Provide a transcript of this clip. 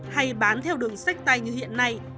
hay bán theo đường sách tay như hiện nay